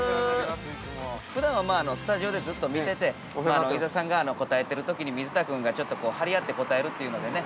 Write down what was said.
◆ふだんは、まあスタジオでずっと見てて伊沢さんが答えてるときに水田君がちょっと張り合って答えるというのでね。